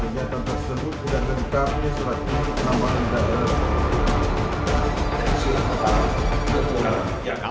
dan kenyataan tersebut sudah terdekat di selatih nama